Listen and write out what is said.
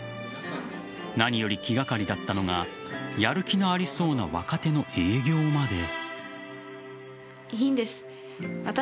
何より気がかりだったのがやる気のありそうな若手の営業まで。